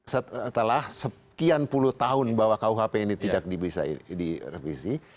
setelah sekian puluh tahun bahwa kuhp ini tidak bisa direvisi